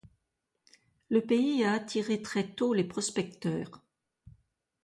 Le pays a attiré très tôt les prospecteurs.